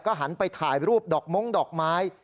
หันไปถ่ายรูปดอกม้งดอกไม้